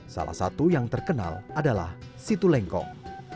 salah satu yang terkenal adalah situlengkong